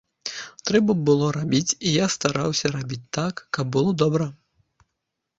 Трэба было рабіць, і я стараўся рабіць так, каб было добра.